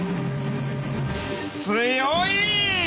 強い！